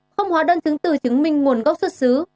không hóa đơn chứng từ chứng minh nguồn gốc xuất xứ